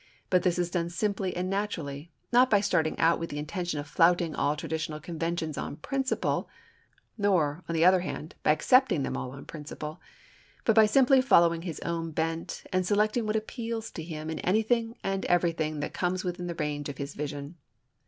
But this is done simply and naturally not by starting out with the intention of flouting all traditional conventions on principle; nor, on the other hand, by accepting them all on principle, but by simply following his own bent and selecting what appeals to him in anything and everything that comes within the range of his vision.